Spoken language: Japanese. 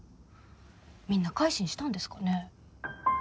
みんな改心したんですかね？